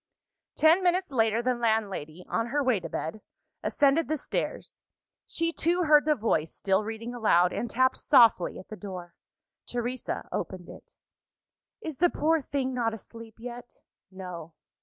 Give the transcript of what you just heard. Ten minutes later, the landlady, on her way to bed, ascended the stairs. She too heard the voice, still reading aloud and tapped softly at the door. Teresa opened it. "Is the poor thing not asleep yet?" "No."